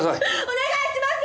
お願いします！